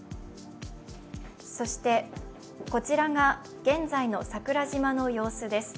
そしてこちらが現在の桜島の様子です。